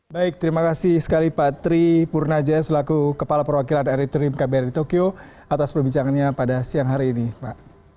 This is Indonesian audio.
baik terima kasih sekali pak tri purnaja selaku kepala perwakilan eriterim kbri tokyo atas perbincangannya pada siang hari ini pak